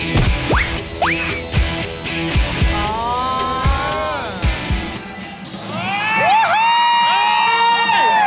อย่างนี้